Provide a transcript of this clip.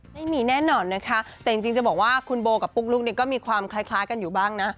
แน่นอนนะคะแต่จริงจะบอกว่าคุณโบกับปุ๊กลุ๊กเนี่ยก็มีความคล้ายกันอยู่บ้างนะ